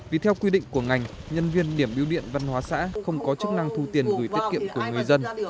vì theo quy định của ngành nhân viên điểm biêu điện văn hóa xã không có chức năng thu tiền gửi tiết kiệm của người dân